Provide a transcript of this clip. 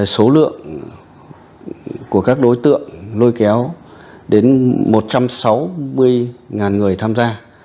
số lượng của các đối tượng lôi kéo đến một trăm sáu mươi người tham gia